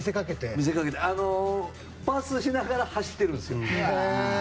いや、パスしながら走ってるんですよ。